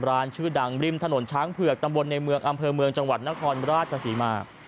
ชื่อดังริมถนนช้างเผือกตำบลในเมืองอำเภอเมืองจังหวัดนครราชศรีมา